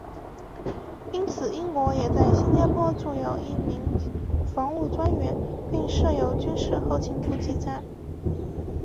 因此英国也在新加坡驻有一名防务专员并设有军事后勤补给站。